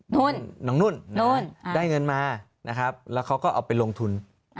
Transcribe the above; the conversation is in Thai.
นุ่นน้องนุ่นนุ่นได้เงินมานะครับแล้วเขาก็เอาไปลงทุน